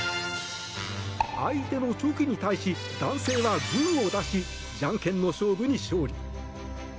相手のチョキに対し男性はグーを出しじゃんけんの勝負に勝利。